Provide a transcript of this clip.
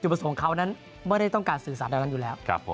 อยู่ประสงค์คราวนั้นเมื่อได้ต้องการสื่อสารเรากันอยู่แล้ว